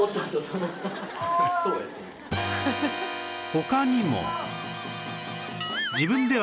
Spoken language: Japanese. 他にも